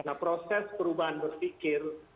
nah proses perubahan berpikir